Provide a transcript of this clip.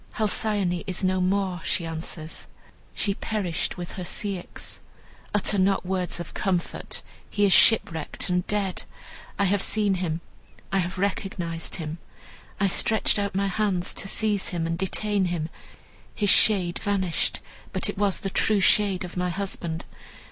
"Halcyone is no more," she answers, "she perished with her Ceyx. Utter not words of comfort, he is shipwrecked and dead. I have seen him, I have recognized him. I stretched out my hands to seize him and detain him. His shade vanished, but it was the true shade of my husband.